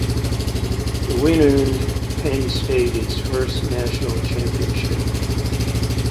The win earned Penn State its first national championship.